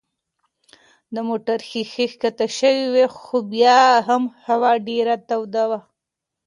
د موټر ښيښې کښته شوې وې خو بیا هم هوا ډېره توده وه.